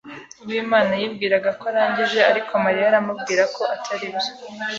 Uwimana yibwiraga ko arangije, ariko Mariya amubwira ko atari byo.